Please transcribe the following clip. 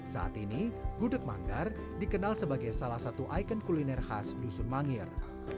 saat ini gudeg manggar dikenal sebagai salah satu ikon kuliner khas dusun mangir